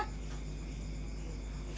gigi juga dalam hal percintaan